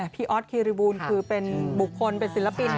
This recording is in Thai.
ออสคิริบูลคือเป็นบุคคลเป็นศิลปิน